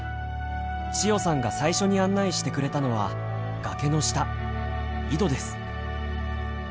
千代さんが最初に案内してくれたのは崖の下井戸です。